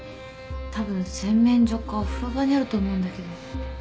多分洗面所かお風呂場にあると思うんだけど。